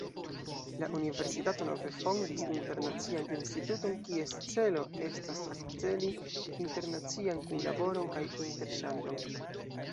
La universitato nove fondis Internacian Instituton, kies celo estas akceli internacian kunlaboron kaj interŝanĝon.